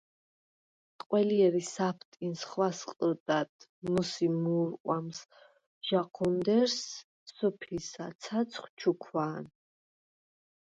ყველჲერი საფტინს ხვასყჷდად მუსი მუ̄რყვამს ჟაჴუნდერს, სუფისა, ცაცხვ ჩუქვა̄ნ.